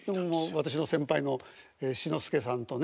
私の先輩の志の輔さんとね。